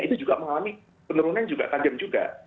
itu juga mengalami penurunan juga tajam juga